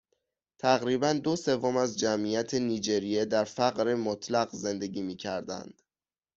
تقریباً دو سوم از جمعیت نیجریه در فقر مطلق زندگی میکردند